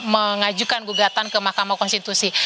mengajukan gugatan ke mahkamah konstitusi